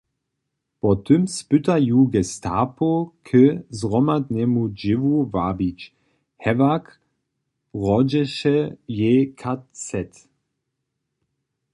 Po tym spyta ju Gestapo k zhromadnemu dźěłu wabić – hewak hrožeše jej kacet.